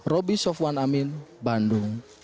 robi sofwan amin bandung